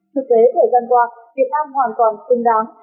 thực tế của dân quạc việt nam hoàn toàn xứng đáng